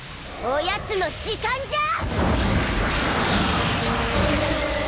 おやつの時間じゃ！